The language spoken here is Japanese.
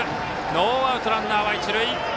ノーアウト、ランナーは一塁。